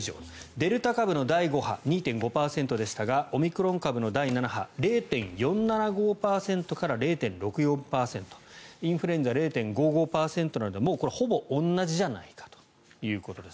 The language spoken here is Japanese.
デルタ株の第５波２．５％でしたがオミクロン株の第７波０．４７５％から０．６４％インフルエンザは０．５５％なのでこれはほぼ同じじゃないかということです。